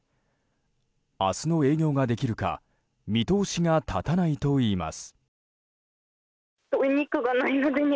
明日の営業ができるか見通しが立たないといいます。